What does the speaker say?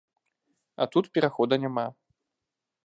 А тут перахода няма.